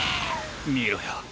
見ろよ。